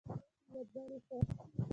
له بلې خوا